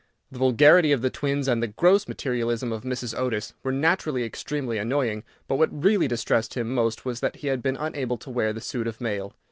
The vulgarity of the twins, and the gross materialism of Mrs. Otis, were naturally extremely annoying, but what really distressed him most was that he had been unable to wear the suit of mail.